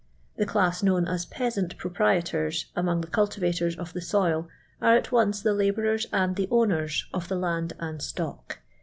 The class known as peasant proprietors among the culti vators of the soil are at once the labourers and the owners of the land and stock.